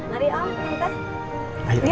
mari om nyantai